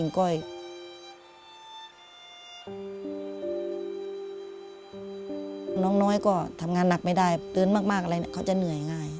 น้องน้อยก็ทำงานหนักไม่ได้เตือนมากอะไรเขาจะเหนื่อยง่าย